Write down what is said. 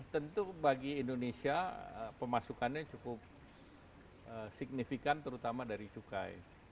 tentu bagi indonesia pemasukannya cukup signifikan terutama dari cukai